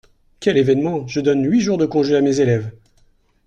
Quel événement ! je donne huit jours de congé à mes élèves !…